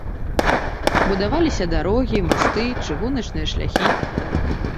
Будаваліся дарогі, масты, чыгуначныя шляхі.